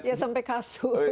biasanya sampai kasur